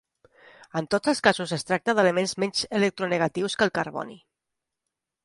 En tots els casos es tracta d'elements menys electronegatius que el carboni.